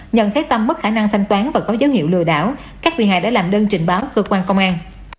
nhận thấy tâm mất khả năng thanh toán và có dấu hiệu lừa đảo các bị hại đã làm đơn trình báo cơ quan công an